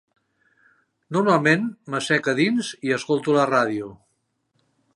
Normalment m'assec a dins i escolto la ràdio.